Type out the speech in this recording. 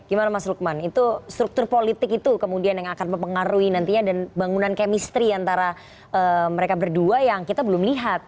gimana mas lukman itu struktur politik itu kemudian yang akan mempengaruhi nantinya dan bangunan chemistry antara mereka berdua yang kita belum lihat